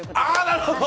なるほど！